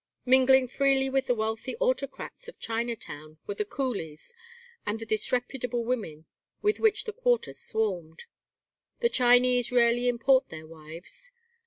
Mingling freely with the wealthy autocrats of Chinatown were the coolies, and the disreputable women with which the quarter swarmed. The Chinese rarely import their wives.